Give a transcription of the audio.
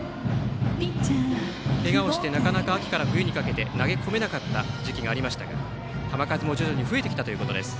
けがをしてなかなか秋から冬にかけて投げ込めなかった時期がありましたが球数も徐々に増えてきたということです。